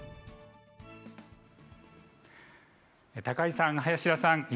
高井さん林田さん